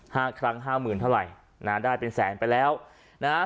ห้าครั้งห้าหมื่นเท่าไหร่นะฮะได้เป็นแสนไปแล้วนะฮะ